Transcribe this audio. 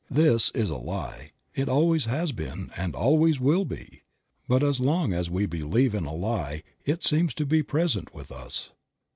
This is a lie, it always was and always will be. But as long as we believe in a lie it seems to be present with us.